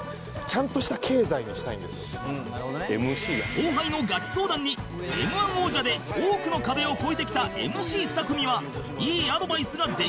後輩のガチ相談に Ｍ−１ 王者で多くの壁を越えてきた ＭＣ２ 組はいいアドバイスができるのか？